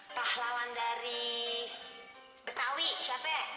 pahlawan dari betawi siapa